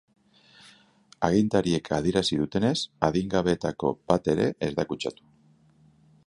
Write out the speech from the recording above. Agintariek adierazi dutenez, adingabeetako bat ere ez da kutsatu.